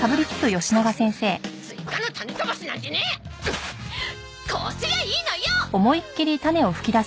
スイカの種飛ばしなんてねこうすりゃいいのよ！